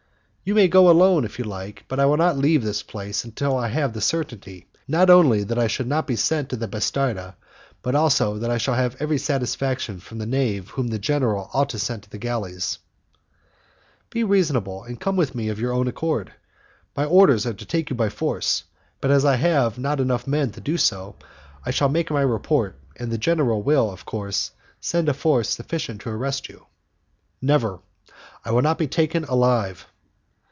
"You may go alone, if you like; but I will not leave this place until I have the certainty, not only that I shall not be sent to the 'bastarda', but also that I shall have every satisfaction from the knave whom the general ought to send to the galleys." "Be reasonable, and come with me of your own accord. My orders are to take you by force, but as I have not enough men to do so, I shall make my report, and the general will, of course, send a force sufficient to arrest you." "Never; I will not be taken alive."